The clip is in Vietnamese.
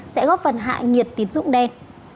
sẽ góp phần hại nhiệt tín dụng đen